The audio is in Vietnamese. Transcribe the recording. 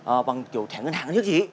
ờ bằng kiểu thẻ ngân hàng hay thứ gì